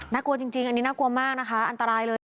กลัวจริงอันนี้น่ากลัวมากนะคะอันตรายเลย